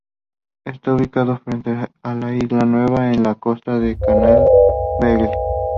Está ubicado frente a la isla Nueva, en las costas del Canal Beagle.